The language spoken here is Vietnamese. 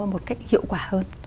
một cách hiệu quả hơn